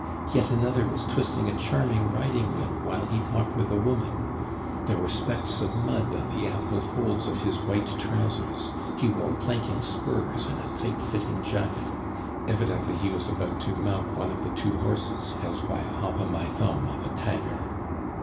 Yet another was twisting a charming riding whip while he talked with a woman; there were specks of mud on the ample folds of his white trousers, he wore clanking spurs and a tight fitting jacket, evidently he was about to mount one of the two horses held by a hop o' my thumb of a tiger.